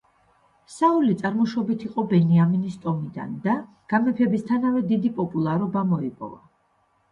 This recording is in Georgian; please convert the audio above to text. საული წარმოშობით იყო ბენიამინის ტომიდან და გამეფებისთანავე დიდი პოპულარობა მოიპოვა.